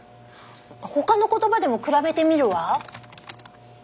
他の言葉でも比べてみるわ。